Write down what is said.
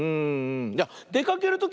いやでかけるときはさ